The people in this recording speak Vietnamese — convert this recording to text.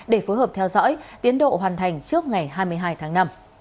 để phối hợp theo dõi tiến độ hoàn thành trước ngày hai mươi hai tháng năm